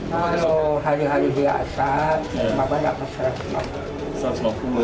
halo hari hari biasa berapa banyak pesan